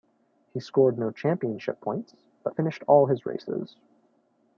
He scored no championship points, but finished all his races.